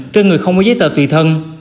trên người không có giấy tờ tùy thân